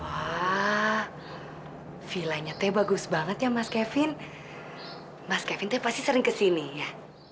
wah villanya teh bagus banget ya mas kevin mas kevin teh pasti sering kesini ya